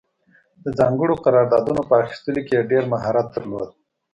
د ځانګړو قراردادونو په اخیستلو کې یې ډېر مهارت درلود.